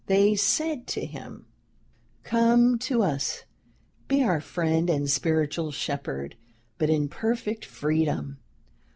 They said to him, "Come to us, be our friend and spiritual shepherd, but in perfect freedom.